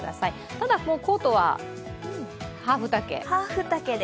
ただ、もうコートはハーフ丈で。